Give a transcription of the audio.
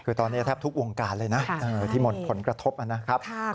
คือตอนนี้แทบทุกวงการเลยนะที่หมดผลกระทบนะครับ